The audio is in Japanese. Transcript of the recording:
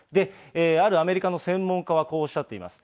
あるアメリカの専門家はこうおっしゃっています。